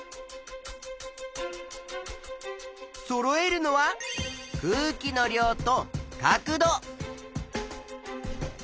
そろえるのは空気の量と角度。